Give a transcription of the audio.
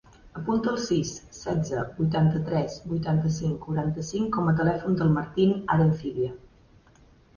Apunta el sis, setze, vuitanta-tres, vuitanta-cinc, quaranta-cinc com a telèfon del Martín Arencibia.